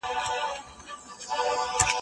ته ولي تمرين کوې!.